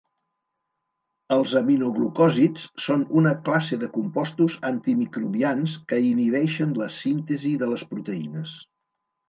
Els aminoglucòsids són una classe de compostos antimicrobians que inhibeixen la síntesi de les proteïnes.